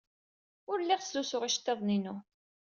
Ur lliɣ ttlusuɣ iceḍḍiḍen-inu.